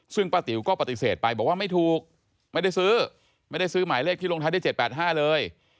ซึ่งป้าติ๋วก็ปฏิเสธไปบอกว่าไม่ถูกไม่ได้ซื้อไม่ได้ซื้อหมายเลขที่ลงท้ายได้๗๘๕เลย